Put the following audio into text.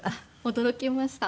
驚きました。